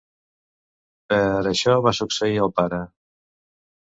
Per això va succeir al pare.